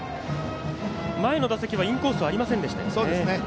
前の打席はインコースありませんでしたよね。